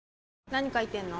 何書いてんの？